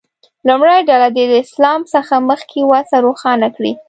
لومړۍ ډله دې د اسلام څخه مخکې وضع روښانه کړي.